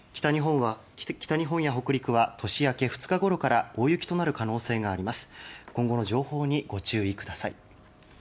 北日本や北陸は年明け２日ごろから大雪となる可能性があります。